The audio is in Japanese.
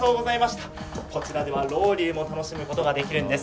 こちらでは、ロウリュも楽しむことができるんです。